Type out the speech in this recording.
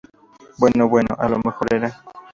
bueno, bueno, a lo mejor era